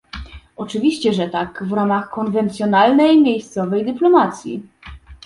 Oczywiście, że tak, w ramach konwencjonalnej, miejscowej dyplomacji